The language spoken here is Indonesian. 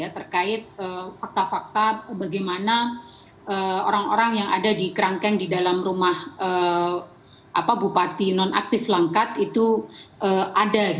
terkait fakta fakta bagaimana orang orang yang ada di kerangkeng di dalam rumah bupati nonaktif langkat itu ada